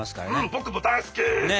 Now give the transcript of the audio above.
僕も大好き。